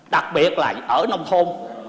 đặc biệt là ở nông thôn